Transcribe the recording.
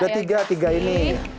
udah tiga tiga ini